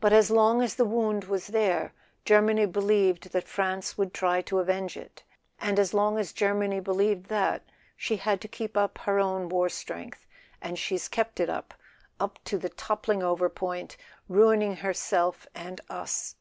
But as long as the wound was there, Germany believed that France would try to avenge it, and as long as Germany believed that, she had to keep up her own war strength; and she's kept it up to the toppling over point, ruining herself and us.